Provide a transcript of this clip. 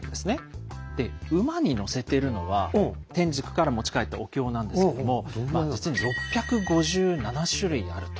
で馬にのせてるのは天竺から持ち帰ったお経なんですけども実に６５７種類あると。